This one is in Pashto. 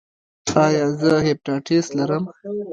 ایا زه هیپاټایټس لرم؟